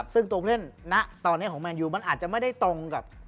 ซึ่งตัวผู้เล่นณตอนนี้ของแมนยูมันอาจจะไม่ได้ตรงกับ